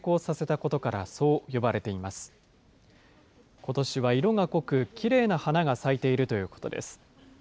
ことしは色が濃く、きれいな花が咲いているということです。